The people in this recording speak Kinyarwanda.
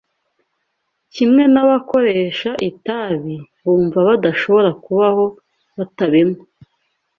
kimwe n’abakoresha itabi bumva badashobora kubaho batabinywa